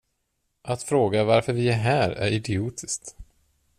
Att fråga varför vi är här är idiotiskt.